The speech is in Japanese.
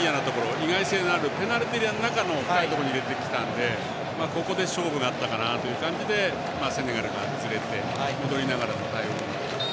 意外性のあるペナルティーエリアの深いところに入れてきたのでここで勝負があったかなという感じでセネガルが、ずれて戻りながらの対応になって。